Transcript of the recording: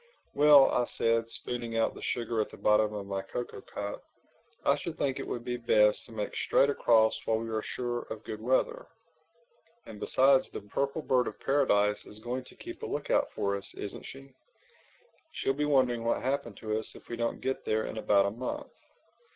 "Well," I said, spooning out the sugar at the bottom of my cocoa cup, "I should think it would be best to make straight across while we are sure of good weather. And besides the Purple Bird of Paradise is going to keep a lookout for us, isn't she? She'll be wondering what's happened to us if we don't get there in about a month."